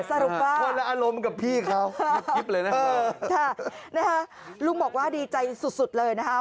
สรุปว่าคนละอารมณ์กับพี่เขาคิดเลยนะเออค่ะนะฮะลุงบอกว่าดีใจสุดสุดเลยนะคะ